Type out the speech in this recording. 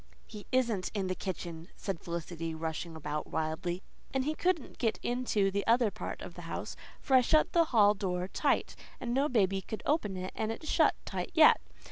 "He isn't in the kitchen," said Felicity rushing about wildly, "and he couldn't get into the other part of the house, for I shut the hall door tight, and no baby could open it and it's shut tight yet.